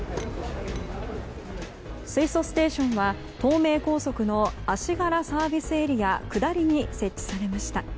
水素ステーションは東名高速の足柄ＳＡ下りに設置されました。